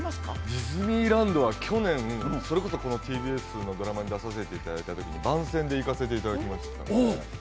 ディズニーランドは去年、それこそのこのＴＢＳの番組に出させていただいたときに番宣で行かせていただきました。